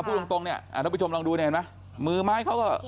พูดตรงน้องผู้ชมลองดูเห็นไหมมือไม้เขาก็